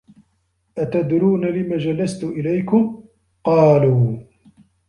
أَتَدْرُونَ لِمَ جَلَسْتُ إلَيْكُمْ ؟ قَالُوا